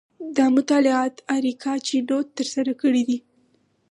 دا مطالعات اریکا چینوت ترسره کړي دي.